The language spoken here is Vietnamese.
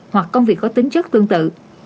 hoặc công việc có tính chất tương tự